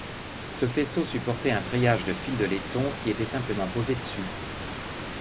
Ce faisceau supportait un treillage de fil de laiton qui était simplement posé dessus.